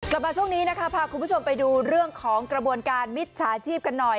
กลับมาช่วงนี้นะคะพาคุณผู้ชมไปดูเรื่องของกระบวนการมิจฉาชีพกันหน่อย